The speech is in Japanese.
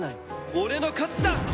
俺の勝ちだ！